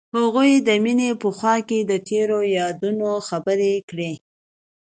هغوی د مینه په خوا کې تیرو یادونو خبرې کړې.